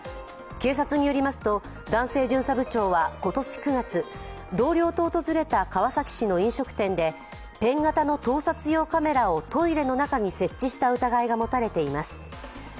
警察によりますと男性巡査部長は今年９月、同僚と訪れた川崎市の飲食店で、ペン型の盗撮用カメラをトイレの中に設置した疑いが持たれています。